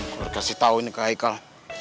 gue harus kasih tau ini ke haikal